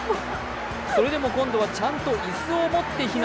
それでも今度はちゃんと椅子を持って避難。